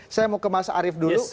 saya mau ke mas arief dulu